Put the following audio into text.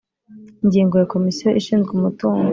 Ingingo ya Komisiyo ishinzwe umutungo